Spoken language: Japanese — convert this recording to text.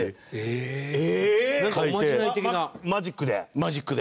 マジックで？